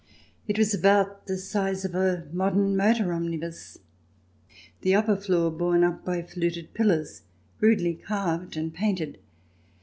It was about the size of a modern motor omnibus, the upper floor borne up by fluted pillars, rudely carved and painted.